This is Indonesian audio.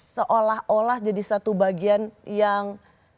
seolah olah jadi satu bagian yang